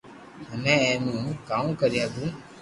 ھمي اي مي ھون ڪاو ڪري ھگو